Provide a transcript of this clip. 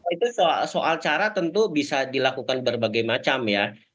itu soal cara tentu bisa dilakukan berbagai macam ya